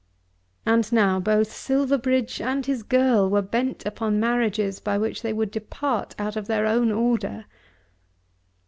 And now both Silverbridge and his girl were bent upon marriages by which they would depart out of their own order!